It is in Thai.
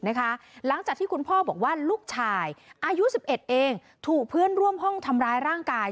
หลังจากที่คุณพ่อบอกว่าลูกชายอายุ๑๑เองถูกเพื่อนร่วมห้องทำร้ายร่างกาย